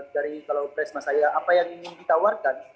dari kalau presma saya apa yang ingin ditawarkan